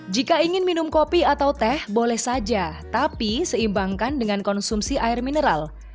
jika ingin minum kopi atau teh boleh saja tapi seimbangkan dengan konsumsi air mineral